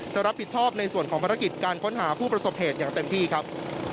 จะรับผิดชอบในส่วนของภารกิจการค้นหาผู้ประสบเหตุอย่างเต็มที่ครับ